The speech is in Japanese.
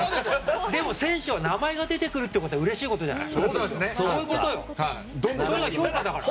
でも選手は名前が出てくることはうれしいことじゃない。